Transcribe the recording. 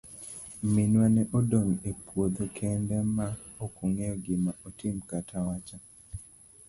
Minwa ne odong' e puodho kende ma okong'eyo gima otim kata wacho.